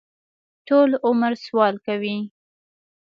ټول عمر سوال کوي.